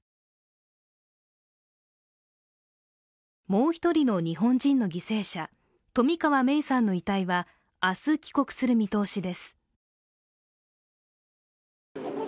もう一人の日本人の犠牲者、冨川芽生さんの遺体は明日帰国する見通しです。